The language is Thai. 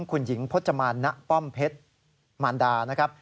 คุณหญิงพจมานณป้อมเพชรมารดานะครับ